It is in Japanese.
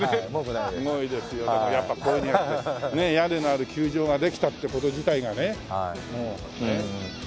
すごいですよやっぱこういう屋根のある球場ができたって事自体がねもう。